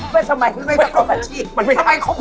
ไม่สมัยคุณไม่ประกอบอาชีพมันไม่ใช่ครับ